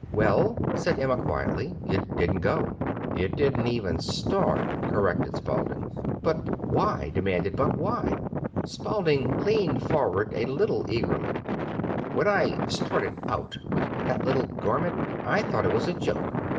"Well," said Emma quietly, "it didn't go." "It didn't even start," corrected Spalding. "But why?" demanded Buck. "Why?" Spalding leaned forward a little, eagerly. "I'll tell you something: When I started out with that little garment, I thought it was a joke.